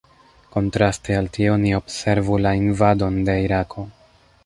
Kontraste al tio, ni observu la invadon de Irako.